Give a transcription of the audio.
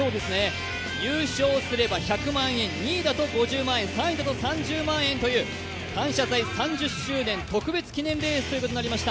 優勝すれば１００万円２位だと５０万円３位だと３０万円だという「感謝祭」３０周年特別レースになりました。